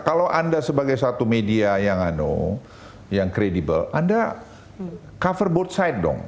kalau anda sebagai satu media yang kredibel anda cover both side dong